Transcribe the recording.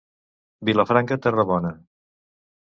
Vilafranca, terra bona.